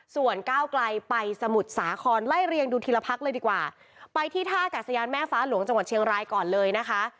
ส่วนก้าวไกลไปสมุทรสาครไล่เรียงดูทีละพักเลยดีกว่าไปที่ท่ากาศยานแม่ฟ้าหลวงจังหวัดเชียงรายก่อนเลยนะคะ